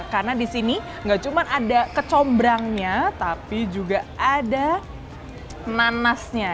karena di sini nggak cuma ada kecombrangnya tapi juga ada nanasnya